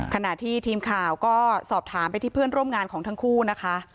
ขณะที่ทีมข่าวก็สอบถามไปที่เพื่อนร่วมงานของทั้งคู่นะคะ